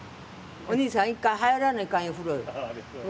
おにいさん一回入らないかんよ